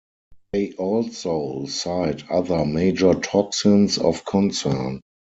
They also cite other major toxins of concern.